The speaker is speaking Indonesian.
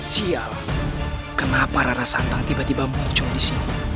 sial kenapa rara santa tiba tiba muncul di sini